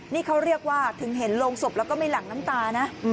นี่เขาเรียกว่าถึงเห็นโรงศพแล้วก็ไม่หลั่งน้ำตานะ